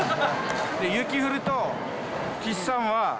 雪降ると、岸さんは。